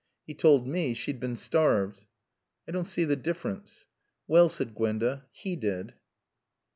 "He told me she'd been starved." "I don't see the difference." "Well," said Gwenda. "He did."